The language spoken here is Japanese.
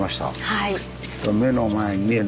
はい。